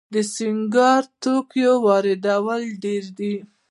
د سینګار توکو واردات ډیر دي